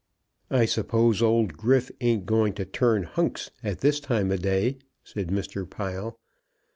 "I suppose old Griff ain't going to turn Hunks at this time o' day," said Mr. Pile.